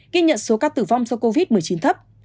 ghi nhận số ca tử vong do covid một mươi chín thấp